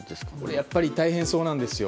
やっぱり大変そうなんですよね。